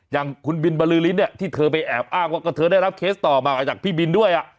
อย่างคุณบินบรือฤทธิเนี่ยที่เธอไปแอบอ้างว่าก็เธอได้รับเคสต่อมาจากพี่บินด้วย